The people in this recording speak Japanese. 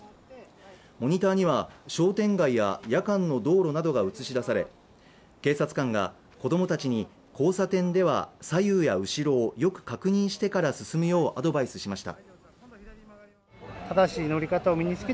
モニターには商店街や夜間の道路などが映し出され、警察官が子供たちに、交差点では左右や後ろをよく確認してから進むようアドバイスしました。